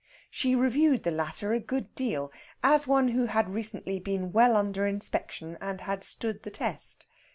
She reviewed the latter a good deal, as one who had recently been well under inspection and had stood the test.